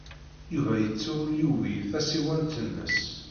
Yuba yettu ur yuwiy tasiwant-nnes.